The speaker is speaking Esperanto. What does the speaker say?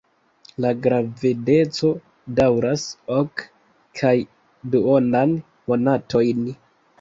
La gravedeco daŭras ok kaj duonan monatojn.